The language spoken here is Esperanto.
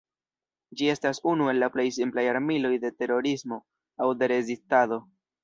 Ĝi estas unu el la plej simplaj armiloj de terorismo aŭ de rezistado.